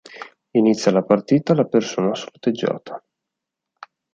Inizia la partita la persona sorteggiata.